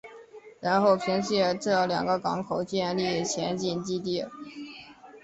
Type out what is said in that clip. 然后凭借这两个港口建立前进基地。